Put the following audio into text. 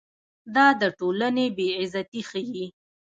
دا د ټولنې بې عزتي ښيي.